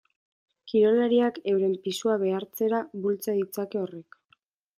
Kirolariak euren pisua behartzera bultza ditzake horrek.